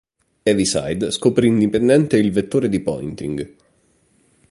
Heaviside scoprì indipendente il vettore di Poynting.